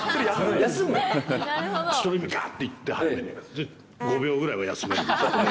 １人目がっといって、で、５秒ぐらいは休める。